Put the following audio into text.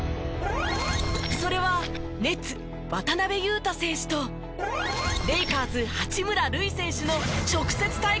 それはネッツ渡邊雄太選手とレイカーズ八村塁選手の直接対決での事。